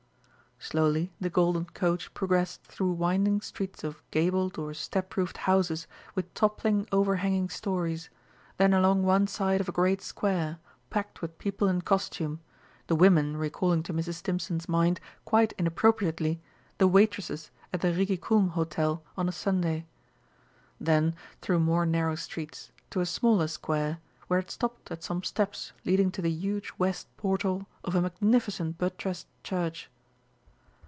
Slowly the golden coach progressed through winding streets of gabled or step roofed houses with toppling overhanging stories, then along one side of a great square, packed with people in costume, the women recalling to Mrs. Stimpson's mind, quite inappropriately, the waitresses at the Rigi Kulm hotel on a Sunday. Then, through more narrow streets, to a smaller square, where it stopped at some steps leading to the huge West portal of a magnificent buttressed Church.